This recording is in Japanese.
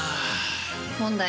問題。